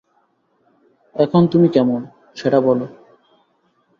এখন তুমি কেমন, সেটা বল।